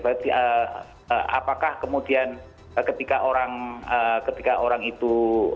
apakah kemudian ketika orang itu